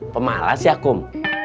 pemalas ya kum